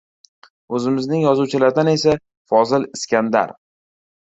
O‘zimizning yozuvchilardan esa – Fozil Iskandar.